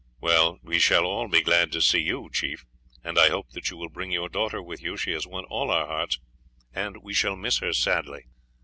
"Well, we shall all be glad to see you, chief, and I hope that you will bring your daughter with you. She has won all our hearts, and we shall miss her sadly."